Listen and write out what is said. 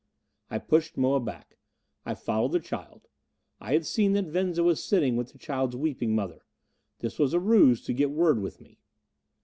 I pushed Moa back. I followed the child. I had seen that Venza was sitting with the child's weeping mother. This was a ruse to get word with me.